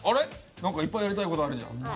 何かいっぱいやりたいことあるじゃん。